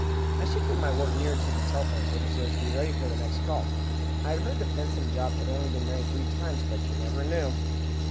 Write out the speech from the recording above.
I shifted my work nearer to the telephone table so as to be ready for the next call. I had heard that Vincent Jopp had only been married three times, but you never knew.